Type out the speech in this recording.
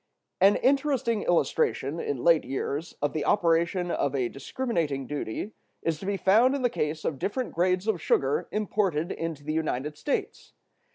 An interesting illustration, in late years, of the operation of a discriminating duty is to be found in the case of different grades of sugar imported into the United States.